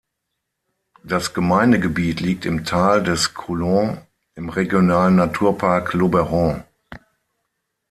Das Gemeindegebiet liegt im Tal des Coulon im regionalen Naturpark Luberon.